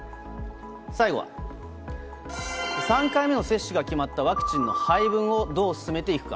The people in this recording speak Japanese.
最後は、３回目の接種が決まったワクチンの配分をどう進めていくか。